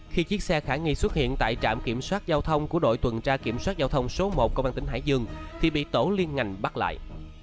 khi chiếc xe khả nghi xuất hiện tại trạm kiểm soát giao thông của đội tuần tra kiểm soát giao thông số một công an tỉnh hải dương thì bị tổ liên ngành bắt lại